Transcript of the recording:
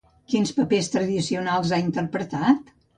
Quins papers tradicionals ha interpretat?